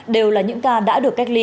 đều là những ca đã được cách ly